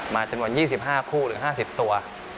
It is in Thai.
มาจน๒๕คู่หรือ๕๐ตัว